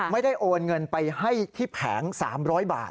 ไม่ได้โอนเงินไปให้ที่แผง๓๐๐บาท